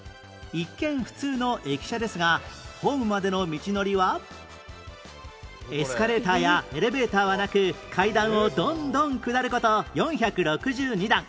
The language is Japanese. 一見普通の駅舎ですがエスカレーターやエレベーターはなく階段をどんどん下る事４６２段